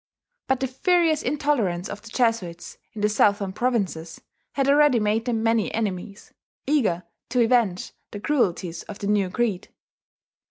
But the furious intolerance of the Jesuits in the southern provinces had already made them many enemies, eager to avenge the cruelties of the new creed.